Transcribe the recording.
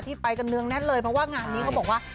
ไปกันเนืองแน่นเลยเพราะว่างานนี้เขาบอกว่า